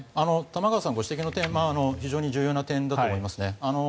玉川さんがご指摘の点は非常に重要な点だと思いますね。